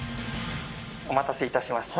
お待たせいたしました。